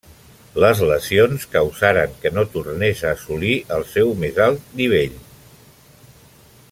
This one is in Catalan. Les lesions causaren que no tornés a assolir el seu més alt nivell.